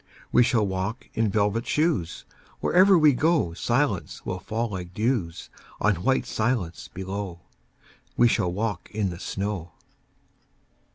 We shall walk in velvet shoes: Wherever we go Silence will fall like dews On white silence below. We shall walk in the snow.